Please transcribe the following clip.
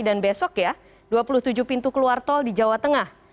dan besok ya dua puluh tujuh pintu keluar tol di jawa tengah